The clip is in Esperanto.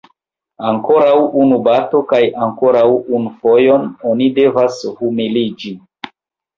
Ankoraŭ unu bato kaj ankoraŭ unu fojon oni devas humiliĝi.